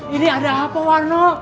ini ada apa warno